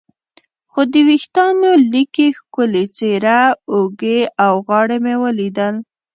خو د وریښتانو لیکې، ښکلې څېره، اوږې او غاړه مې ولیدل.